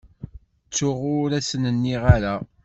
Ttuɣ ur asen-nniɣ ara.